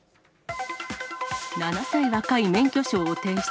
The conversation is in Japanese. ７歳若い免許証を提出。